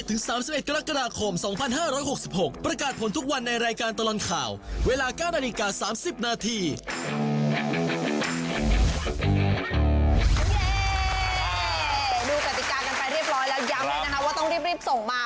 ดูกติกากันไปเรียบร้อยแล้วย้ำเลยนะคะว่าต้องรีบส่งมา